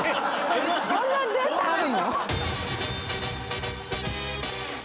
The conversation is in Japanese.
そんなデータあるの⁉